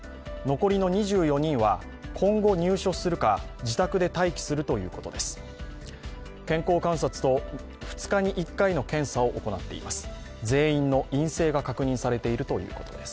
残りの２４人は、今後入所するか自宅で待機するということです。